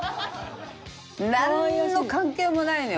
なんの関係もないのよ